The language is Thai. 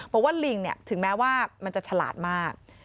บอกว่าลิงถึงแม้ว่ามันจะฉลาดมาก